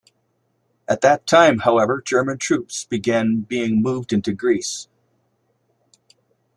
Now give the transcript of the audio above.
At that time, however, German troops began being moved into Greece.